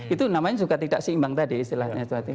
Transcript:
itu namanya juga tidak seimbang tadi istilahnya